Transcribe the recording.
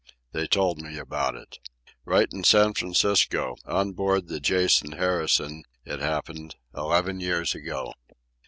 They told me about it. Right in San Francisco, on board the Jason Harrison, it happened, eleven years ago.